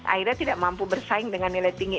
akhirnya tidak mampu bersaing dengan nilai tinggi